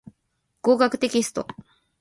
合格テキスト